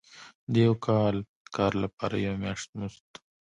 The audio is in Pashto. د یو کال کار لپاره یو میاشت مزد.